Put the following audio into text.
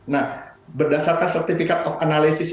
nah berdasarkan certifikat of analysis